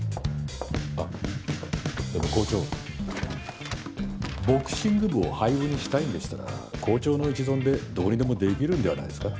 あっでも校長ボクシング部を廃部にしたいんでしたら校長の一存でどうにでもできるんじゃないですか？